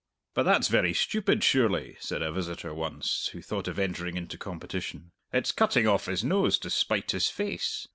"But that's very stupid, surely," said a visitor once, who thought of entering into competition. "It's cutting off his nose to spite his face!